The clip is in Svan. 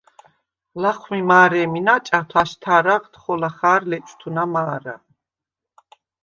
ლაჴვმი მა̄რე̄მი ნაჭათვ აშთა̄რაღდ ხოლა ხა̄რ ლეჭვთუნა მა̄რა.